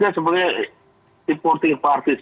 berarti sebenarnya reporting parties